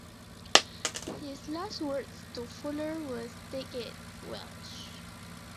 His last words to Fuller were Stick it, Welsh.